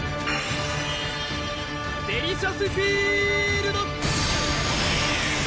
デリシャスフィールド！